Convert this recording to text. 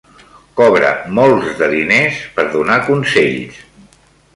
Cobra molts de diners per donar consells.